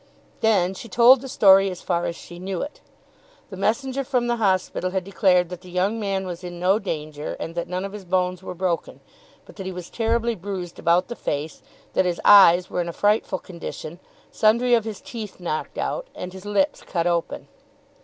Then she told the story as far as she knew it. The messenger from the hospital had declared that the young man was in no danger and that none of his bones were broken, but that he was terribly bruised about the face, that his eyes were in a frightful condition, sundry of his teeth knocked out, and his lips cut open.